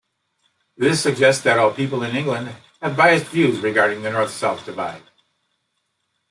This suggests that all people in England have biased views regarding the North-South divide.